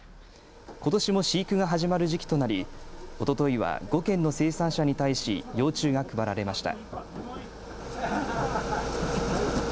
ことしも飼育が始まる時期となりおとといは５軒の生産者に対し幼虫が配られました。